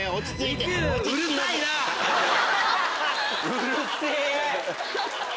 うるせぇ！